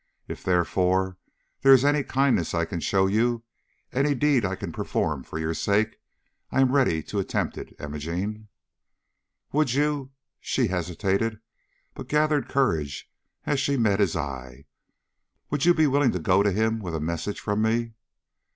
If, therefore, there is any kindness I can show you, any deed I can perform for your sake, I am ready to attempt it, Imogene. "Would you " she hesitated, but gathered courage as she met his eye "would you be willing to go to him with a message from me?"